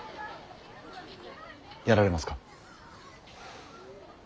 やられますか。